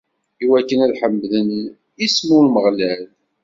Iwakken ad ḥemden isem n Umeɣlal.